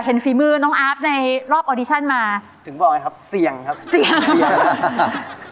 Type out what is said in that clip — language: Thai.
ฝีมือน้องอาร์ฟในรอบออดิชั่นมาถึงบอกไงครับเสี่ยงครับเสี่ยง